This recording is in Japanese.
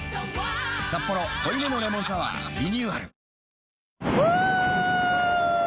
「サッポロ濃いめのレモンサワー」リニューアルうわ！